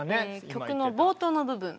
曲の冒頭の部分。